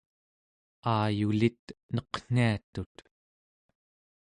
aayulit neqniatut